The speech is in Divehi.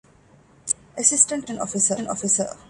އެެސިސްޓެންޓް އިންފޮމޭޝަން އޮފިސަރ